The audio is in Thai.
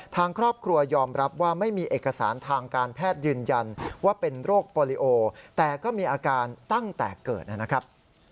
ทางครอบครัวยอมรับว่าไม่มีเอกสารทางการแพทย์ยืนยันว่าเป็นโรคโปรลิโอแต่ก็มีอาการตั้งแต่เกิดนะครับ